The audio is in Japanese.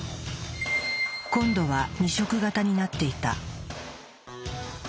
今度は２色型になっていた。